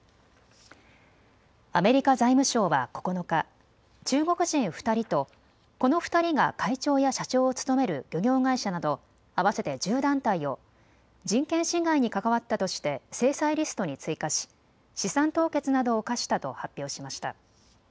アメリカ財務省は９日、中国人２人と、この２人が会長や社長を務める漁業会社など合わせて１０団体を人権侵害に関わったとして制裁リストに追加し資産凍結などを科したと発表しました。